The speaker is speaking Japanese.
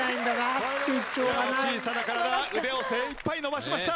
小さな体腕を精いっぱい伸ばしました。